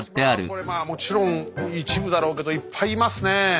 これまあもちろん一部だろうけどいっぱいいますねえ。